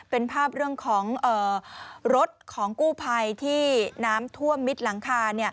เป็นภาพเรื่องของรถของกู้ภัยที่น้ำท่วมมิดหลังคา